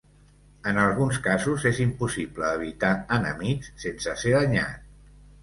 En alguns casos, és impossible evitar enemics sense ser danyat.